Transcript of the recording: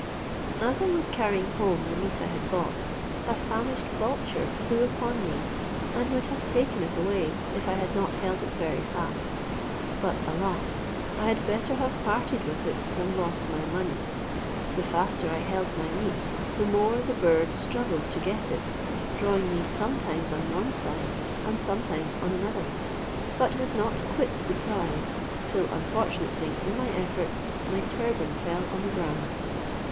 As I was carrying home the meat I had bought, a famished vulture flew upon me, and would have taken it away, if I had not held it very fast; but, alas! I had better have parted with it than lost my money; the faster I held my meat, the more the bird struggled to get it, drawing me sometimes on one side, and sometimes on another, but would not quit the prize; till unfortunately in my efforts my turban fell on the ground.